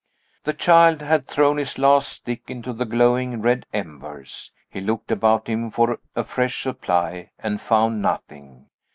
The child had thrown his last stick into the glowing red embers. He looked about him for a fresh supply, and found nothing.